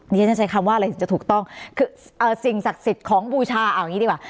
ฉันจะใช้คำว่าอะไรถึงจะถูกต้องคือสิ่งศักดิ์สิทธิ์ของบูชาเอาอย่างนี้ดีกว่า